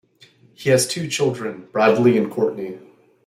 He has two children, Bradley and Courtney.